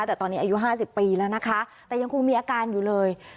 แต่ตอนนี้อายุ๕๐ปีแล้วนะคะแต่ยังคงมีอาการอยู่เลย